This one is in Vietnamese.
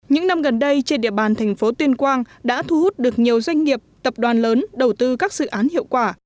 những năm gần đây trên địa bàn thành phố tuyên quang đã thu hút được nhiều doanh nghiệp tập đoàn lớn đầu tư các dự án hiệu quả